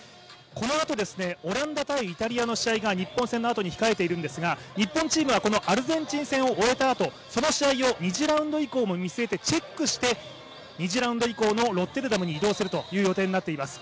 このあとオランダ×イタリアの試合が日本戦のあとに控えているんですが日本チームはこのアルゼンチン戦を終えたあと、その試合を２次ラウンド以降も見据えてチェックして２次ラウンド以降のロッテルダムに移動するということになっています。